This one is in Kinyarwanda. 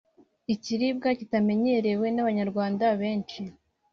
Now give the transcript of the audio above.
ikiribwa kitamenyerewe n’Abanyarwanda benshi